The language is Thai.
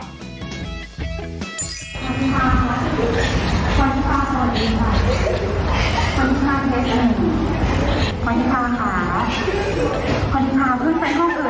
สวัสดีค่ะสวัสดีค่ะสวัสดีค่ะสวัสดีค่ะเทศกรรมดี